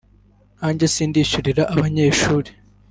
nkanjye sindishyurira abanyeshuri